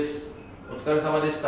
お疲れさまでした。